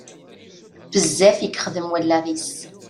Bezzaf i yexdem wallaɣ-is.